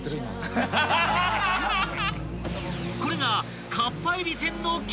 ［これが］